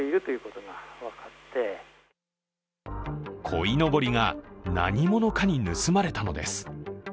こいのぼりが何者かに盗まれたのです。